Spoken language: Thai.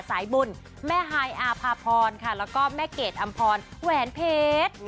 สายบุญแม่ฮายอาภาพรค่ะแล้วก็แม่เกดอำพรแหวนเพชร